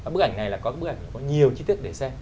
bức ảnh này là có nhiều chi tiết để xem